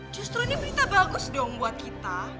justru ini berita bagus dong buat kita